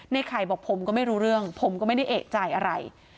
ไข่บอกผมก็ไม่รู้เรื่องผมก็ไม่ได้เอกใจอะไร